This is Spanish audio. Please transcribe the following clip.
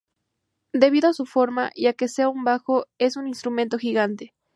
Debido a su forma y a que sea un bajo es un instrumento "gigante".